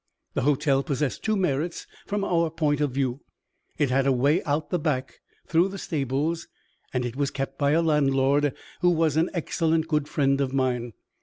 The hotel possessed two merits from our point of view it had a way out at the back, through the stables, and it was kept by a landlord who was an excellent good friend of mine.